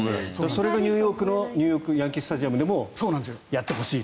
それがニューヨークのヤンキー・スタジアムでもやってほしいと。